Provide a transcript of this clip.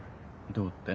どうって？